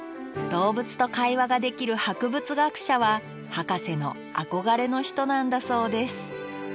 動物と会話ができる博物学者はハカセの憧れの人なんだそうです。